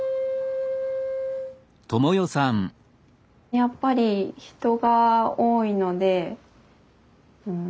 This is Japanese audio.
やっぱり人が多いのでうん